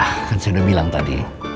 ah kan saya udah bilang tadi